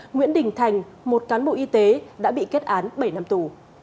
nguyễn đình thành một cán bộ y tế đã bị kết án bảy năm tù